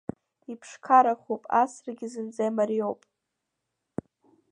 Иԥшқарахуп, асрагьы зынӡа имариоуп.